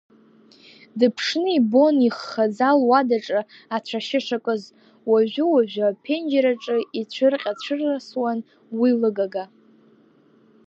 Дыԥшны ибон иххаӡа луадаҿы ацәашьы шакыз, уажәы-уажәы аԥенџьыр аҿы ицәырҟьа-цәырасуан уи лыгага.